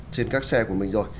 trên các xe của mình rồi